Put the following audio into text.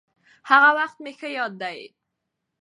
هغه وخت مې ښه ياد دي.